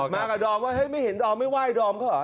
มากับดอมว่าเฮ้ยไม่เห็นดอมไม่ไหว้ดอมเขาเหรอ